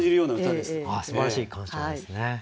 すばらしい鑑賞ですね。